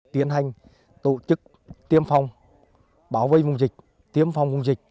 tiến hành tổ chức tiêm phòng bảo vệ vùng dịch tiêm phòng vùng dịch